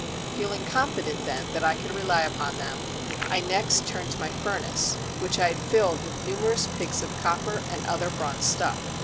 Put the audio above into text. Feeling confident then that I could rely upon them, I next turned to my furnace, which I had filled with numerous pigs of copper and other bronze stuff.